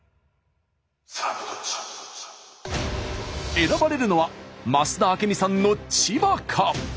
選ばれるのは増田明美さんの千葉か？